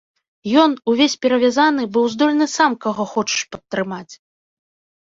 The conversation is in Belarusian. Ён, увесь перавязаны, быў здольны сам каго хочаш падтрымаць!